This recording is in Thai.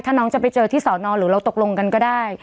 ถ้าน้องจะไปเจอที่สอนอหรือเราตกลงกันก็ได้